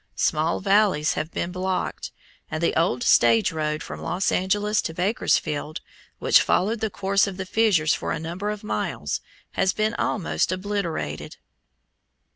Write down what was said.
Small valleys have been blocked, and the old stage road from Los Angeles to Bakersfield, which followed the course of the fissures for a number of miles, has been almost obliterated.